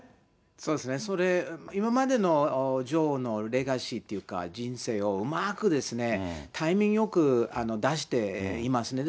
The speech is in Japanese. そうですね、今までの女王のレガシーっていうか、人生をうまくですね、タイミングよく出していますね。